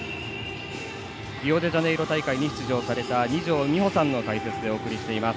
リオデジャネイロ大会に出場された二條実穂さんの解説でお送りしています。